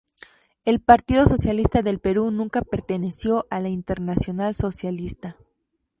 El Partido Socialista del Perú nunca perteneció a la Internacional Socialista.